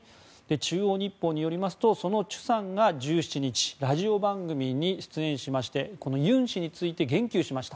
中央日報によりますとそのチュさんが１７日ラジオ番組に出演しましてユン氏について言及しました。